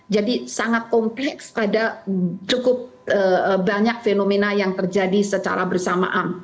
jadi sangat kompleks pada cukup banyak fenomena yang terjadi secara bersamaan